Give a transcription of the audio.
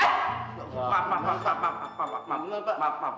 kayaknya udah rapi nih udah rapi beres udah